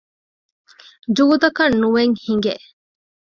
ޖޫދަކަށް ނުއެއް ހިނގެ